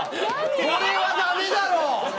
これはダメだろ！